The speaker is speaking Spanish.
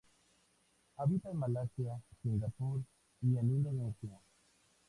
Habita en Malasia, Singapur y en Indonesia.